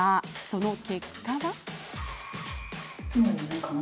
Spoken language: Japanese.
その結果は。